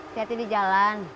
siap ini jalan